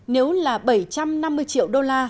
nếu là bảy trăm năm mươi triệu usd